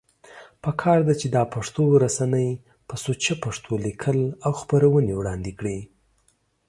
پکار ده چې دا پښتو رسنۍ په سوچه پښتو ليکل او خپرونې وړاندی کړي